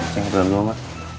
ceng berdua ma